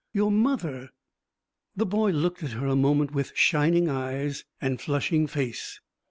Your mother ' The boy looked at her a moment with shining eyes and flushing face.